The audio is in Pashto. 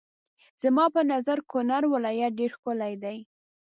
زما په نظر کونړ ولايت ډېر ښکلی دی.